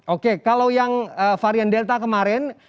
oke kalau yang varian delta kemarin